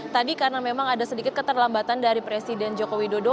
tadi karena memang ada sedikit keterlambatan dari presiden joko widodo